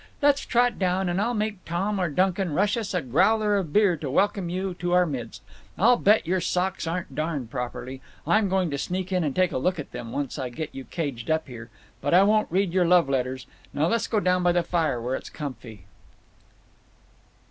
Let's trot down, and I'll make Tom or Duncan rush us a growler of beer to welcome you to our midst…. I'll bet your socks aren't darned properly. I'm going to sneak in and take a look at them, once I get you caged up here…. But I won't read your love letters! Now let's go down by the fire, where it's comfy."